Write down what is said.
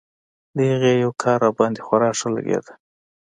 د هغې يو کار راباندې خورا ښه لګېده.